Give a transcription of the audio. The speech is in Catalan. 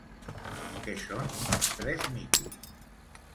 Què són els tres micos?